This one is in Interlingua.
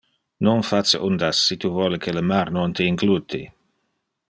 Non face undas, si tu vole que le mar non te ingluti.